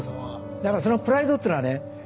だからそのプライドっていうのはね